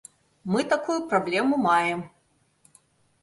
Мы такую праблему маем.